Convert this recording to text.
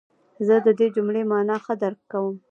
زه د دې جملې مانا ښه درک کوم.